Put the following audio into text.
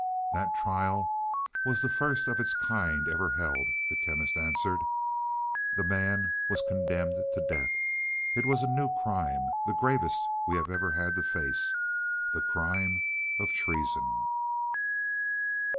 "That trial was the first of its kind ever held," the Chemist answered. "The man was condemned to death. It was a new crime the gravest we have ever had to face the crime of treason."